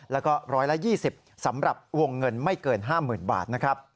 แล้วก็ร้อยละ๒๐สำหรับวงเงินไม่เกิน๕๐๐๐๐บาท